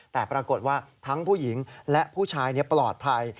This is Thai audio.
แต่ปรากฏว่าทั้งผู้หญิงและผู้ชายปลอดภัย